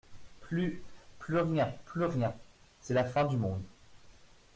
Plus, plus rien, plus rien ! C'est la fin du monde.